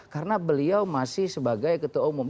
karena beliau masih sebagai ketua umum